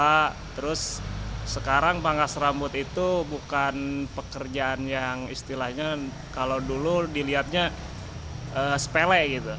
terus sekarang pangkas rambut itu bukan pekerjaan yang istilahnya kalau dulu dilihatnya sepele gitu